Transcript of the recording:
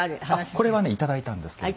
これはねいただいたんですけれども。